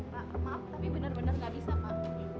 pak maaf tapi benar benar nggak bisa pak